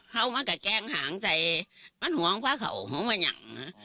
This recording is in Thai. เขามันก็แกล้งห่างใส่มันห่วงพระเขามันห่วงพระอย่าง